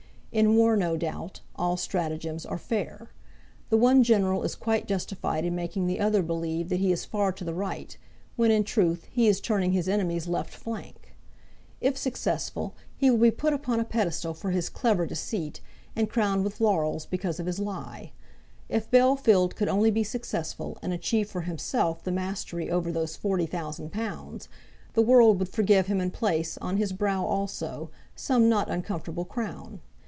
In war, no doubt, all stratagems are fair. The one general is quite justified in making the other believe that he is far to the right, when in truth he is turning his enemy's left flank. If successful, he will be put upon a pedestal for his clever deceit, and crowned with laurels because of his lie. If Bellfield could only be successful, and achieve for himself the mastery over those forty thousand pounds, the world would forgive him and place, on his brow also, some not uncomfortable crown.